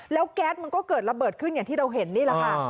แล้วแก๊สมันก็เกิดระเบิดขึ้นอย่างที่เราเห็นนี่แหละค่ะ